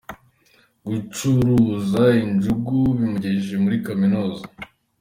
Gucuruza injugu bimugejeje muri kaminuza